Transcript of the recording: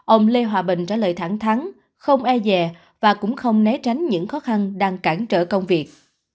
ông lê hòa bình trả lời thẳng thắng không e dè và cũng không né tránh những khó khăn đang cản trở công việc